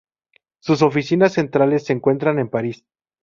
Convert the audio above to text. Sus oficinas centrales se encuentran en París.